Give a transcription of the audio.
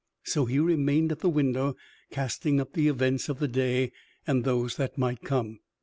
So he remained at the window, casting up the events of the day and those that might come.